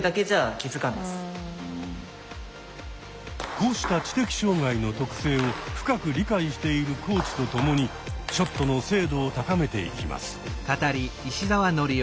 こうした知的障害の特性を深く理解しているコーチと共にショットの精度を高めていきます。